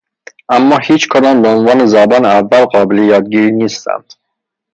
اما هیچ کدام به عنوان زبان اول قابل یادگیری نیستند.